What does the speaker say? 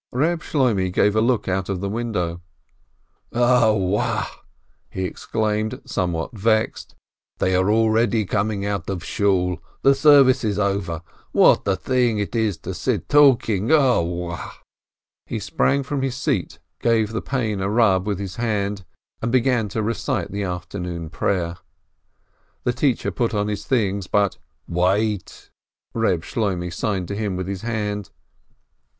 Reb Shloimeh gave a look out of the window. "0 wa !" he exclaimed, somewhat vexed, "they are already coming out of Shool, the service is over ! What a thing it is to sit talking ! 0 wa !" He sprang from his seat, gave the pane a rub with his hand, and began to recite the Afternoon Prayer. The teacher put on his things, but "Wait!" Reb Shloimeh signed to him with his hand.